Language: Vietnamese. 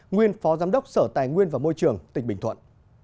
nguyên phó giám đốc sở tài nguyên và môi trường tỉnh bình thuận